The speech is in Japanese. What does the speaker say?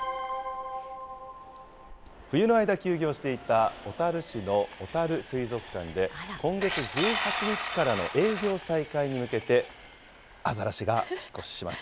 冬の間、休業していた小樽市のおたる水族館で、今月１８日からの営業再開に向けてアザラシが引っ越しします。